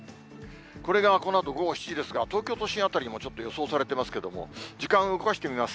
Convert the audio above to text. これがこのあと午後７時ですが、東京都心辺りにも、ちょっと予想されてますけれども、時間を動かしてみます。